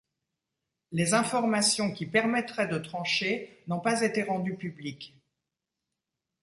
Les informations qui permettraient de trancher n'ont pas été rendues publiques.